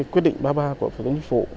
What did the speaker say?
quyết định ba mươi ba của thủ tướng chính phủ